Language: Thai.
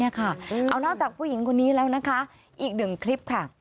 เอานอกจากผู้หญิงคนนี้แล้วนะคะอีกหนึ่งคลิปค่ะ